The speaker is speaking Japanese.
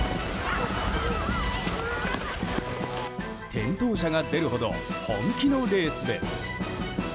転倒者が出るほど本気のレースです。